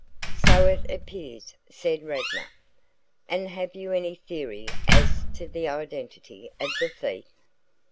"So it appears," said Radnor. "And have you any theory as to the identity of the thief?"